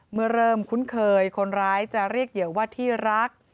เมื่อเริ่มคุ้นเคยคนร้ายจะเรียกเหยื่อว่าที่รัก